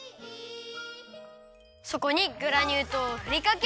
そこにグラニュー糖をふりかける！